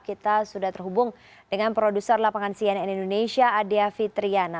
kita sudah terhubung dengan produser lapangan cnn indonesia adia fitriana